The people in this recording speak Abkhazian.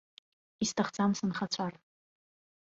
Исҭахӡам сынхацәар.